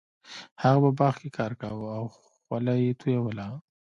هغه په باغ کې کار کاوه او خوله یې تویوله.